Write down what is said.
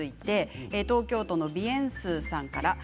東京都の方からです。